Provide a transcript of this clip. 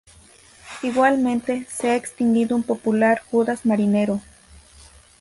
Igualmente, se ha extinguido un popular Judas marinero.